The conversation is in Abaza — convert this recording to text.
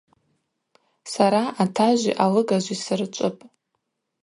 Сара атажви алыгажви сырчӏвыпӏ.